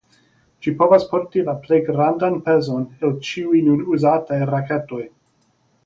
Ĝi povas porti la plej grandan pezon el ĉiuj nun uzataj raketoj.